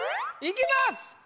いきます。